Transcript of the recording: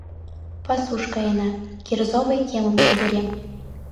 Пасуш каена, кирзовый кемым шӱдырем.